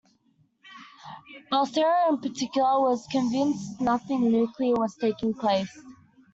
Balseiro, in particular, was convinced nothing nuclear was taking place.